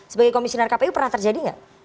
sebagai komisioner kpu pernah terjadi nggak